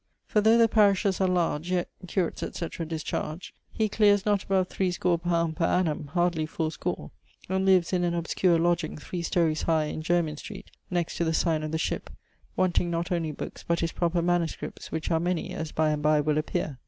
For though the parishes are large, yet (curates, etc., discharged) he cleares not above 3 score pound per annum (hardly fourscore), and lives in an obscure[XLVIII.] lodging, three stories high, in Jermyn Street, next to the signe of the Ship, wanting not only bookes but his proper MSS. which are many, as by and by will appeare.